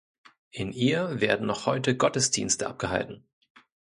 In ihr werden noch heute Gottesdienste abgehalten.